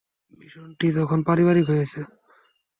মিশনটি এখন পারিবারিক হয়েছে।